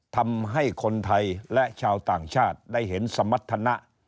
ทำให้คนไทยและชาวต่างชาติได้เห็นสมรรถนะ